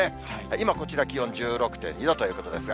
今こちら、気温１６．２度ということですが。